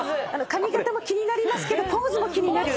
髪形も気になりますけどポーズも気になる。